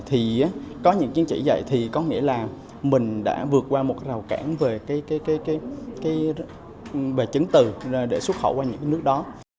thì có những chứng chỉ vậy thì có nghĩa là mình đã vượt qua một rào cản về chứng từ để xuất khẩu qua những nước đó